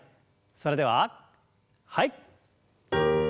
それでははい。